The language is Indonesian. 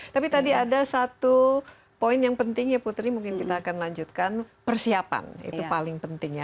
tapi tadi ada satu poin yang penting ya putri mungkin kita akan lanjutkan persiapan itu paling penting ya